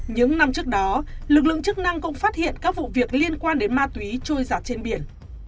những năm trước đó lực lượng chức năng cũng phát hiện các vụ việc liên quan đến ma túy trôi giặt trên biển